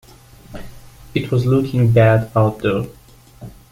It was looking bad out there.